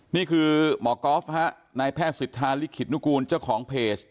นี่คือหมอกรอฟนะฮะในแพทย์ศิษฐาคิดนูกูลเจ้าของเพจ